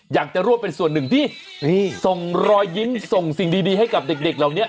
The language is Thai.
อยากจะร่วมเป็นส่วนหนึ่งที่ส่งรอยยิ้มส่งสิ่งดีให้กับเด็กเหล่านี้